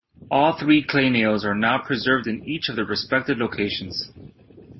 All three clay nails are now preserved in each of their respected locations.